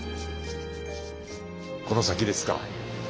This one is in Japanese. この先ですか。